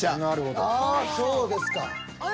ああそうですか。